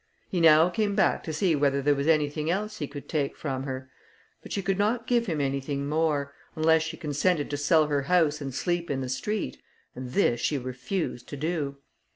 He now came back to see whether there was anything else he could take from her; but she could not give him anything more, unless she consented to sell her house and sleep in the street, and this she refused to do.